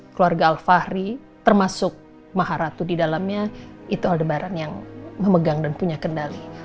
keluarga alfahri termasuk maharatu di dalamnya itu aldebaran yang memegang dan punya kendali